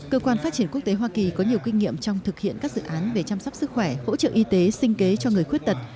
cơ quan phát triển quốc tế hoa kỳ có nhiều kinh nghiệm trong thực hiện các dự án về chăm sóc sức khỏe hỗ trợ y tế sinh kế cho người khuyết tật